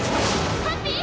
ハッピー！